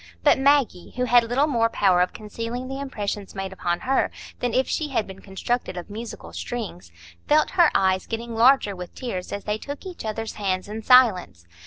But Maggie, who had little more power of concealing the impressions made upon her than if she had been constructed of musical strings, felt her eyes getting larger with tears as they took each other's hands in silence.